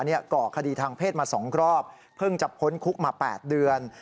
ก่อคดีทางเพศมา๒รอบเพิ่งจะพ้นคุกมา๘เดือน